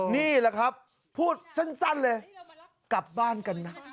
นี่แหละครับพูดสั้นเลยกลับบ้านกันนะ